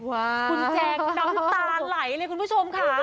คุณแจงน้ำตาไหลเลยคุณผู้ชมค่ะ